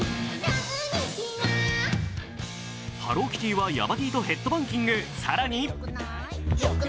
ハローキティはヤバＴとヘッドバンキング。